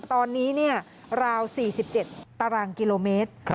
ตอนนี้ราว๔๗ตารางกิโลเมตร